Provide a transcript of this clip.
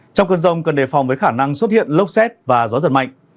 trong cơn rông cần đề phòng với khả năng xuất hiện lốc xét và gió giật mạnh